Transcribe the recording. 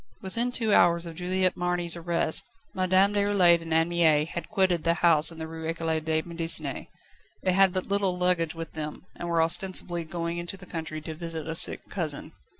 Within two hours of Juliette Marny's arrest, Madame Déroulède and Anne Mie had quitted the house in the Rue Ecole de Médecine. They had but little luggage with them, and were ostensibly going into the country to visit a sick cousin.